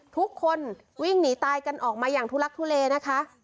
ทุกคนวิ่งหนีตายกันออกมาอย่างทุลักทุเลนะคะ